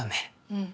うん。